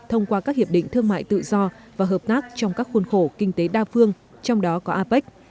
thông qua các hiệp định thương mại tự do và hợp tác trong các khuôn khổ kinh tế đa phương trong đó có apec